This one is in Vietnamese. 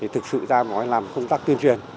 thực sự ra mọi người làm công tác tuyên truyền